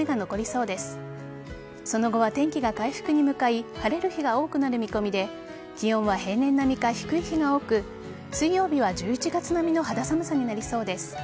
その後は天気が回復に向かい晴れる日が多くなる見込みで気温は平年並みか低い日が多く水曜日は１１月並みの肌寒さになりそうです。